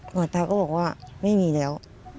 หมอตาก็บอกว่าไม่มีแล้ว